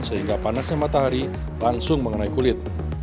sehingga panasnya matahari langsung mengenai kulit